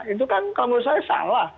itu kan kalau menurut saya salah